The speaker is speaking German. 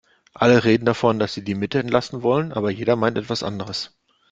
Alle reden davon, dass sie die Mitte entlasten wollen, aber jeder meint etwas anderes.